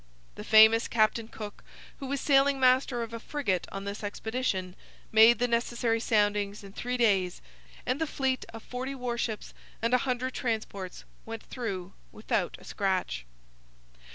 The famous Captain Cook, who was sailing master of a frigate on this expedition, made the necessary soundings in three days; and the fleet of forty warships and a hundred transports went through without a scratch.